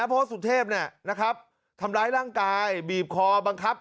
เพราะว่าสุเทพเนี่ยนะครับทำร้ายร่างกายบีบคอบังคับ